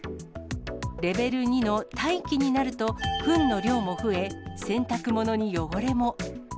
レベル２の待機になると、ふんの量も増え、洗濯物に汚れも。